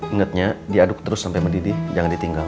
ingatnya diaduk terus sampai mendidih jangan ditinggal